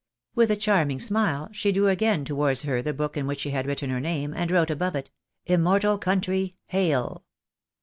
With a charming smile, she drew again towards her the book in which she had written her name, and wrote above it, Immortal country, hail